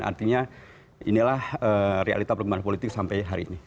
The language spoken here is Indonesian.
artinya inilah realita perkembangan politik sampai hari ini